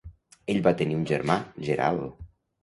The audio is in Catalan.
Ell va tenir un germà, Gerald.